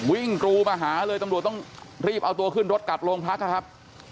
กรูมาหาเลยตำรวจต้องรีบเอาตัวขึ้นรถกลับโรงพักนะครับ